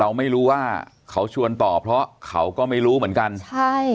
เราไม่รู้ว่าเขาชวนต่อเพราะเขาก็ไม่รู้เหมือนกันใช่